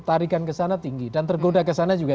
tarikan ke sana tinggi dan tergoda ke sana juga